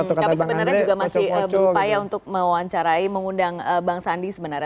tapi sebenarnya juga masih berupaya untuk mewawancarai mengundang bang sandi sebenarnya